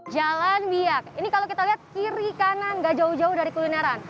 jalan biak ini kalau kita lihat kiri kanan gak jauh jauh dari kulineran